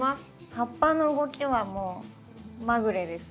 葉っぱの動きはもうまぐれです。